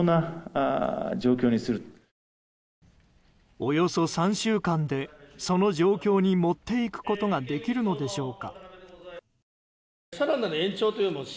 およそ３週間で、その状況に持っていくことができるのでしょうか。